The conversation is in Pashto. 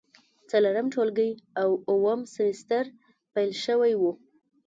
څلورم ټولګی او اووم سمستر پیل شوی و.